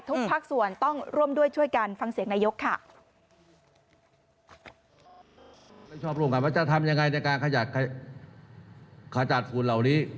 ทุกภาคส่วนต้องร่วมด้วยช่วยกันฟังเสียงนายกค่ะ